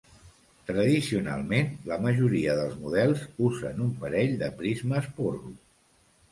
Tradicionalment, la majoria dels models usen un parell de prismes porro.